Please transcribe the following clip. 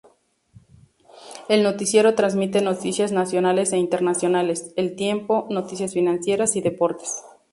El noticiero transmite noticias nacionales e internacionales, el tiempo, noticias financieras y deportes.